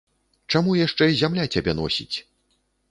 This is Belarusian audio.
Чаму яшчэ зямля цябе носіць?